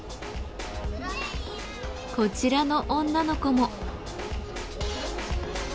こちらの女の子も。